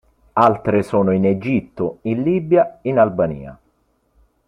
Altre sono in Egitto, in Libia, in Albania.